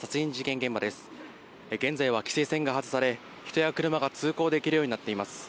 現在は規制線が外され人や車が通行できるようになっています。